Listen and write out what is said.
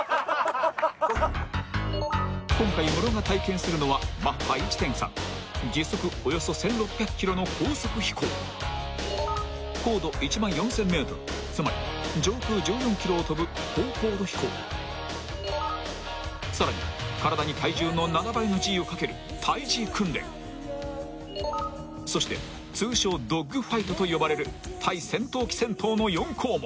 ［今回ムロが体験するのはマッハ１．３時速およそ１，６００キロの高速飛行高度１万４，０００ｍつまり上空１４ｋｍを飛ぶ高高度飛行さらに体に体重の７倍のＧをかける耐Ｇ訓練そして通称ドッグファイトと呼ばれる対戦闘機戦闘の４項目］